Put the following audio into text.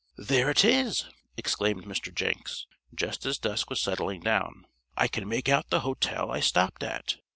"There it is!" exclaimed Mr. Jenks, just as dusk was settling down. "I can make out the hotel I stopped at.